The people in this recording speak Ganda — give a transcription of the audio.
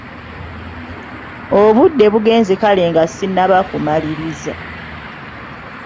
Obudde bugenze kale nga sinnaba kumaliriza.